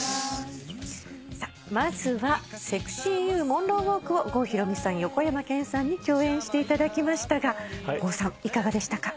まずは『セクシー・ユー』を郷ひろみさん横山剣さんに共演していただきましたが郷さんいかがでしたか？